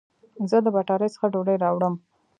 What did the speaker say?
زه د بټاری څخه ډوډي راوړم